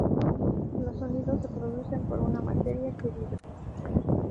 Los sonidos se producen por una materia que vibra.